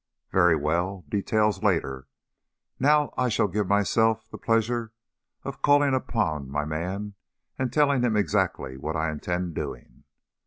"Very well! Details later. Now, I shall give myself the pleasure of calling upon my man and telling him exactly what I intend doing."